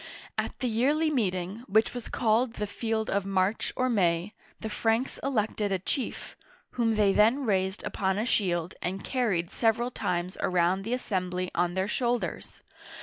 At the yearly meeting, which was called the Field of March or May, the Franks elected a chief, whom they then raised upon a shield, and carried several times around the assembly on their shoulders.